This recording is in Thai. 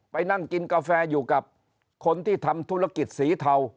ไปนั่งกินกาแฟอยู่กับคนที่ทำธุรกิจสีเทา